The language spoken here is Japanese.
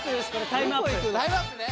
タイムアップね。